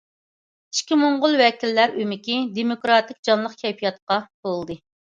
ئىچكى موڭغۇل ۋەكىللەر ئۆمىكى دېموكراتىك جانلىق كەيپىياتقا تولدى.